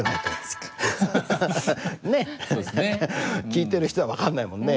聞いてる人は分かんないもんね。